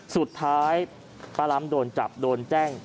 สุดท้ายป้าล้ำโดนจับโดนแจ้ง